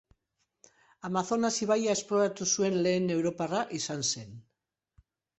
Amazonas ibaia esploratu zuen lehen europarra izan zen.